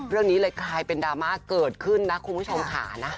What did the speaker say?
เรื่องนี้เลยกลายเป็นดราม่าเกิดขึ้นนะคุณผู้ชมค่ะนะ